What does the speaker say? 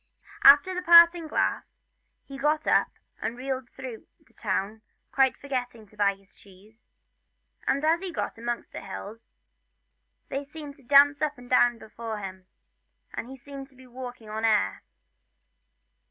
After the parting glass he got up and reeled through the town, quite forgetting to buy his cheese ; and as he got amongst the hills they seemed to dance up and down before him, and he seemed to be walking on air.